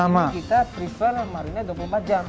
kalau misalnya kita prefer marinate dua puluh empat jam